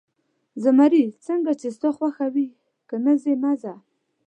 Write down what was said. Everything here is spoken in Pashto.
زمري: څنګه چې ستا خوښه وي، که نه ځې، مه ځه.